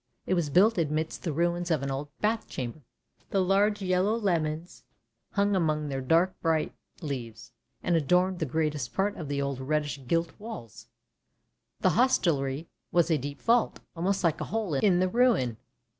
It was built amidst the ruins of an old bath chamber; the large yellow lemons hung among their dark bright leaves, and adorned the greatest part of the old reddish gilt walls. The hostelry was a deep vault, almost like a hole in the ruin.